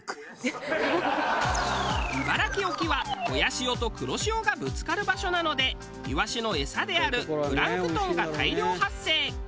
茨城沖は親潮と黒潮がぶつかる場所なのでイワシの餌であるプランクトンが大量発生。